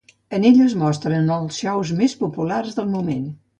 En ell es mostren els shows més populars del moment.